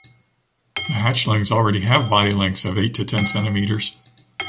The hatchlings already have body lengths of eight to ten centimeters.